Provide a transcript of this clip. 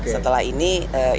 setelah ini insya allah